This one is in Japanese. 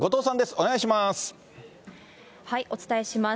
お願いします。